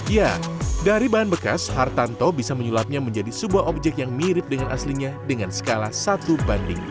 ya dari bahan bekas hartanto bisa menyulapnya menjadi sebuah objek yang mirip dengan aslinya dengan skala satu banding lima